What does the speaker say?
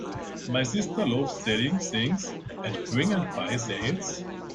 My sister loves selling things at Bring and Buy sales